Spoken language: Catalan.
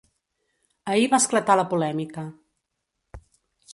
Ahir va esclatar la polèmica.